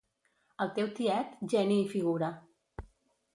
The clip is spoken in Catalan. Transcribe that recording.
El teu tiet, geni i figura.